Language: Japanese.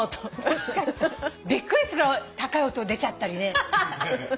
びっくりするぐらい高い音出ちゃったりね。